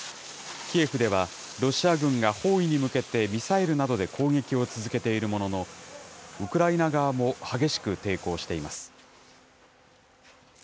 キエフではロシア軍が包囲に向けて、ミサイルなどで攻撃を続けているものの、ウクライナ側も激しく抵抗しています。